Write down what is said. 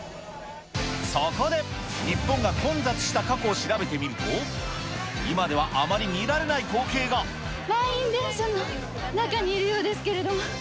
そこで、日本が混雑した過去を調べてみると、今ではあまり見られない光景満員電車の中にいるようですけれども。